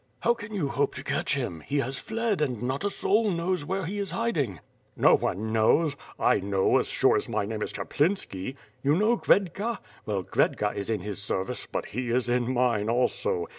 "How can you hope to catch him? He has fled, and not a soul knows where he is hiding!" "No one knows? I know as sure as my name is Chap linski. You know Khvedka. Well Khvedka is in his ser vice, but he is in mine also.